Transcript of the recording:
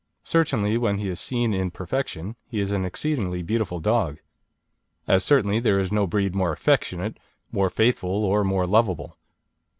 Certainly when he is seen in perfection he is an exceedingly beautiful dog. As certainly there is no breed more affectionate, more faithful, or more lovable.